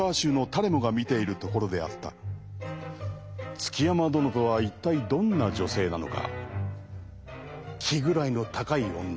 築山殿とは一体どんな女性なのか。